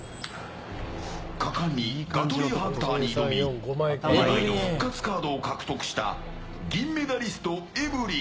果敢にガトリンハンターに挑み２枚の復活カードを獲得した銀メダリスト、エブリン。